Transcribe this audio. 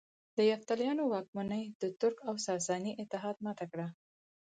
د یفتلیانو واکمني د ترک او ساساني اتحاد ماته کړه